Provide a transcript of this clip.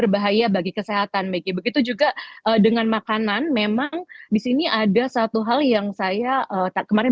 bahaya bagi kesehatan begitu juga dengan makanan memang di sini ada satu hal yang saya tak kemarin